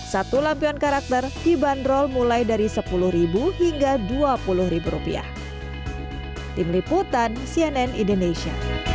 satu lampion karakter dibanderol mulai dari sepuluh hingga dua puluh rupiah